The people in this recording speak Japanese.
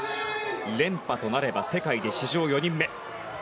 連覇となれば世界で史上４人目。